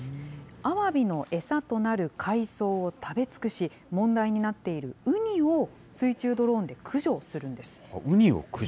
アワビの餌となる海藻を食べ尽くし、問題になっているウニを水中ウニを駆除？